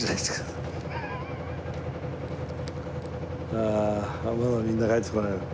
ああまだみんな帰ってこないの？